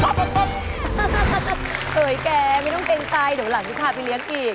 สวยแกไม่ต้องเกรงใจเดี๋ยวหลังจะพาไปเลี้ยงอีก